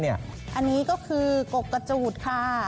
อันนี้ก็คือกกกระจูดค่ะ